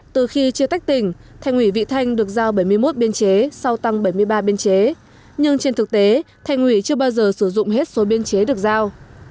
từ khi chưa tách tỉnh thành ủy vị thanh được giao bảy mươi một biên chế sau tăng bảy mươi ba biên chế nhưng trên thực tế thành ủy chưa bao giờ sử dụng hết số biên chế được giao